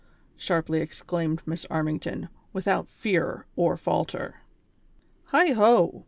" sharply exclaimed Miss Armington, without fear or falter. "Heigh ho!